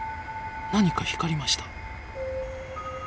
何か光りました。